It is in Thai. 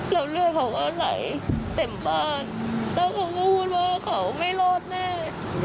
แล้วเลือดเขาก็ไหลเต็มบ้านแล้วเขาพูดว่าเขาไม่รอดแน่